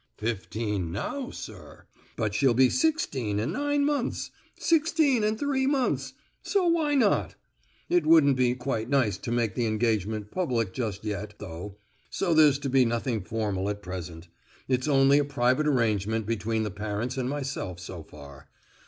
"Fifteen now, sir; but she'll be sixteen in nine months—sixteen and three months—so why not? It wouldn't be quite nice to make the engagement public just yet, though; so there's to be nothing formal at present, it's only a private arrangement between the parents and myself so far.